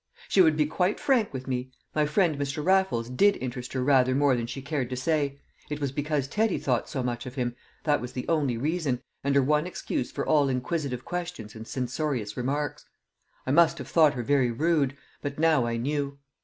She would be quite frank with me: my friend Mr. Raffles did interest her rather more than she cared to say. It was because Teddy thought so much of him, that was the only reason, and her one excuse for all inquisitive questions and censorious remarks. I must have thought her very rude; but now I knew.